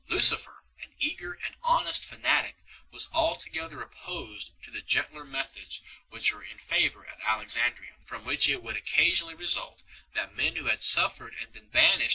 Lucifer, an eager and honest fanatic, was altogether opposed to the gentler methods which were in favour at Alexandria, from which it would occasionally result, that men who had suffered and been banished for 1 Socrates n.